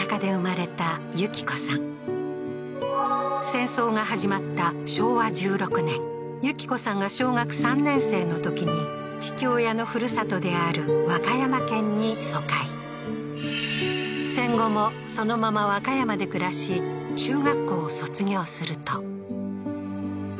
戦争が始まった昭和１６年順子さんが小学３年生の時に父親のふるさとである和歌山県に疎開戦後もそのまま和歌山で暮らしええー？